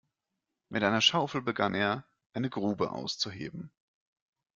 Mit einer Schaufel begann er, eine Grube auszuheben.